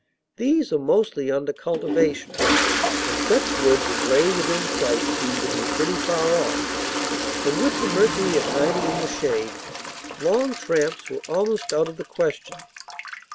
These are mostly under cultivation, and such woods as lay within sight seemed to be pretty far off; and with the mercury at ninety in the shade, long tramps were almost out of the question.